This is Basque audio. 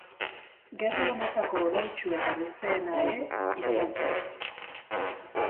Gerra honetako odoltsu eta luzeena ere izan zen.